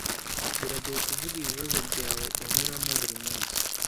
biragoye kuvuga ibibazo byaweunyuramo buri munsi